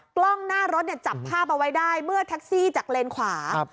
กล้องหน้ารถเนี่ยจับภาพเอาไว้ได้เมื่อแท็กซี่จากเลนขวา